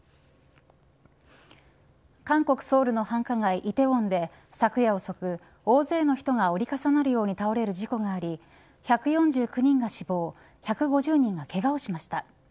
韓国ソウルの繁華街、梨泰院で昨夜遅く、大勢の人が折り重なるように倒れる事故があり１４９人が死亡１５０人がけがをしました。